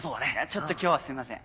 ちょっと今日はすみません。